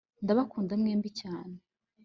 ndabakunda mwembi cyane